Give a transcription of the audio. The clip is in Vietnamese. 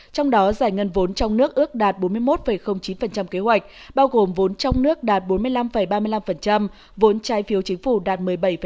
trong đó giải ngân vốn trong nước ước đạt bốn mươi một chín kế hoạch bao gồm vốn trong nước đạt bốn mươi năm ba mươi năm vốn trái phiếu chính phủ đạt một mươi bảy ba mươi